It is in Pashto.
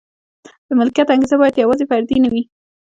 د ملکیت انګېزه باید یوازې فردي نه وي.